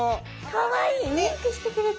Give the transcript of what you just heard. かわいい！